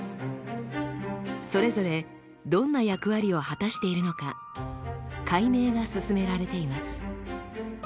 それぞれどんな役割を果たしているのか解明が進められています。